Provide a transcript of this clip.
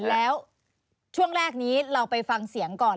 แล้วช่วงแรกนี้เราไปฟังเสียงก่อน